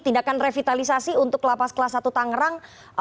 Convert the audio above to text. tindakan revitalisasi untuk lapas kelas satu tangerang